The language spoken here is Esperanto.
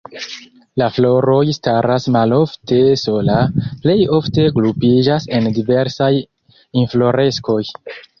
La floroj staras malofte sola, plej ofte grupiĝas en diversaj infloreskoj.